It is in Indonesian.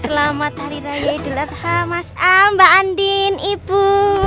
selamat hari raya jidul adha mas amba andin ibu